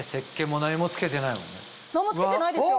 何も付けてないですよ。